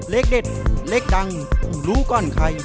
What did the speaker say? เลขเด็ดเลขดังรู้ก่อนใคร